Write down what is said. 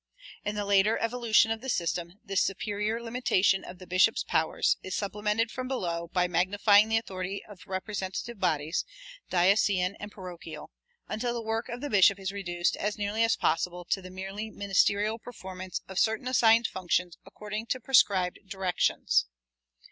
In the later evolution of the system, this superior limitation of the bishop's powers is supplemented from below by magnifying the authority of representative bodies, diocesan and parochial, until the work of the bishop is reduced as nearly as possible to the merely "ministerial" performance of certain assigned functions according to prescribed directions.